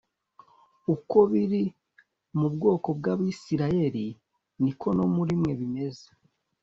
uko biri mu bwoko bw’abisirayeli ni ko no muri mwe bimeze